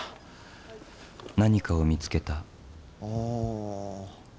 何かを見つけた。